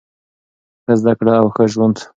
ښه زده کړه او ښه ژوند.